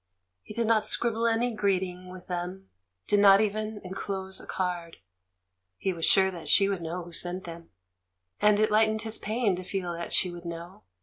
He did not scribble any greeting with them, did not even enclose a card; he was sure that she would know who sent them, and it lightened his pain to feel that she would know.